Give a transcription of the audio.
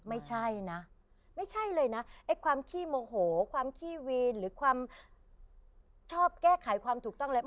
ไม่ใช่นะไม่ใช่เลยนะไอ้ความขี้โมโหความขี้วีนหรือความชอบแก้ไขความถูกต้องแล้ว